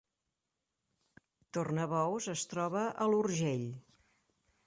Tornabous es troba a l’Urgell